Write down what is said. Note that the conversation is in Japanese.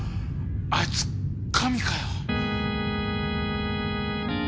あいつ神かよ。